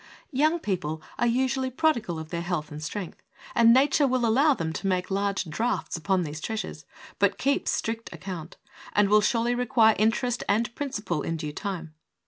Young people are usually prodigal of their health and strength, and nature will allow them to make large drafts upon these treasures, but keeps strict account, and will surely require interest and principal in due time.